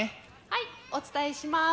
はいお伝えします。